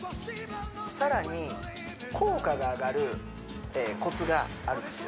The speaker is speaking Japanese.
更に効果が上がるコツがあるんですよ